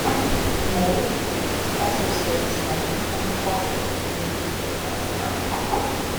Mayde Creek also serves many unincorporated communities in Harris County.